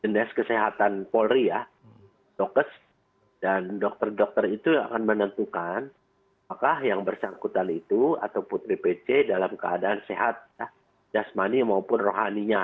des kesehatan polri ya dokes dan dokter dokter itu akan menentukan apakah yang bersangkutan itu atau putri pc dalam keadaan sehat jasmani maupun rohaninya